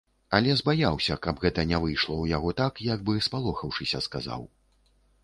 Але збаяўся, каб гэта не выйшла ў яго так, як бы спалохаўшыся сказаў.